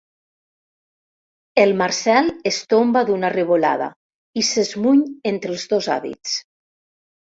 El Marcel es tomba d'una revolada i s'esmuny entre els dos hàbits.